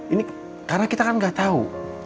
ini karena kita kan gak tau